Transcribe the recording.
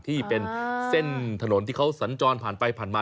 ที่เป็นเส้นถนนที่เขาสัญจรผ่านไปผ่านมา